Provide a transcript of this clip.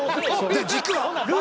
軸は。